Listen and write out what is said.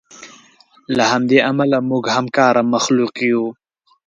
له همدې امله موږ همکاره مخلوق یو.